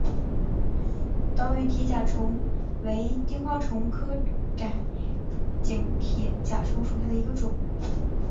岛屿铁甲虫为金花虫科窄颈铁甲虫属下的一个种。